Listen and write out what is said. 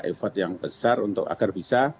effort yang besar untuk agar bisa